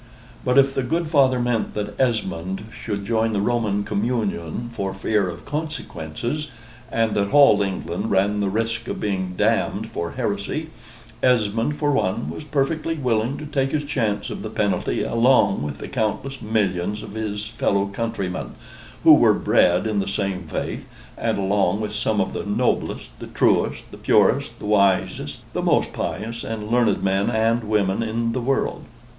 But if the good Father meant that Esmond should join the Roman communion for fear of consequences, and that all England ran the risk of being damned for heresy, Esmond, for one, was perfectly willing to take his chance of the penalty along with the countless millions of his fellow countrymen, who were bred in the same faith, and along with some of the noblest, the truest, the purest, the wisest, the most pious and learned men and women in the world.